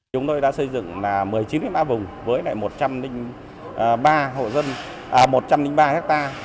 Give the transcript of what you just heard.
chúng tôi đã xây dựng một mươi chín vùng với một trăm linh ba hectare